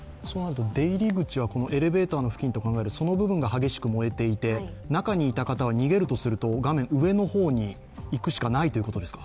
出入り口はエレベーターの付近と考える、その部分が激しく燃えていて、中にいた方は逃げるとすると、画面上の方に行くしかないということですか。